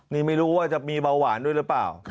นี่ไม่รู้ว่าจะมีเบาหวานด้วยหรือเปล่า